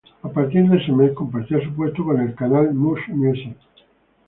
A partir de ese mes, compartía su puesto con el canal Much Music.